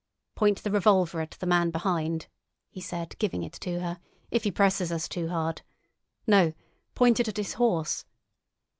"Point the revolver at the man behind," he said, giving it to her, "if he presses us too hard. No!—point it at his horse."